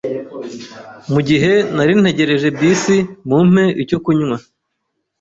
Mugihe nari ntegereje bisi mu mpe icyo kunywa